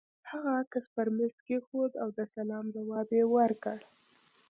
هغه عکس پر مېز کېښود او د سلام ځواب يې ورکړ.